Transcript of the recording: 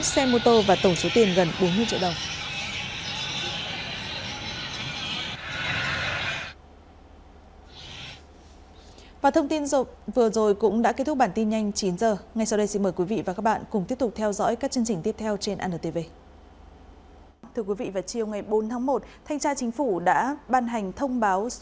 một mươi bốn xe mô tô và tổng số tiền gần bốn mươi triệu đồng